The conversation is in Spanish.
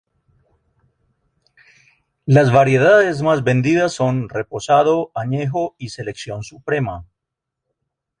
Las variedades más vendidas son Reposado, Añejo y Selección Suprema.